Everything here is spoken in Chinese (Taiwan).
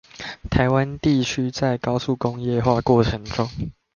台灣地區在高速工業化過裎中